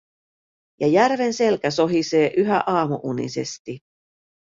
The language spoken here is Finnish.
Ja järven selkä sohisee yhä aamu-unisesti.